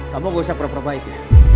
kamu gak usah berapa baik ya